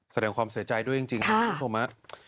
แสดงความเสียใจด้วยจริงครับคุณผู้ชมฮะ